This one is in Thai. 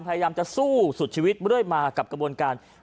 พยายามจะสู้สุดชีวิตเรื่อยมากับกระบวนการ